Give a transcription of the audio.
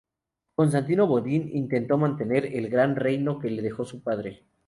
Constantino Bodin intentó mantener el gran reino que le dejó su padre.